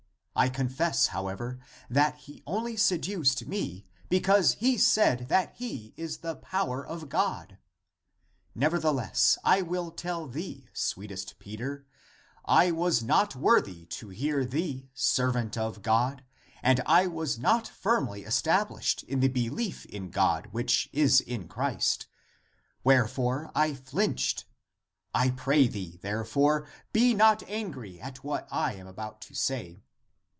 I confess, however, that he only seduced me because he said that he is the power of God. Nevertheless I will tell thee, sweet est Peter : I was not worthy to hear thee, servant of God, and I was not firmly established in the belief in God which is in Christ : wherefore I flinched. I pray thee, therefore, be not angry at what I am about to say.